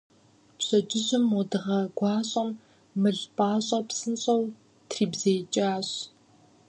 Пщэдджыжьым мо дыгъэ гуащӀэм мыл пӀащӀэр псынщӀэу трибзеикӀащ.